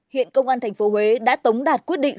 hiện công an tp huế đã tống đạt quyết định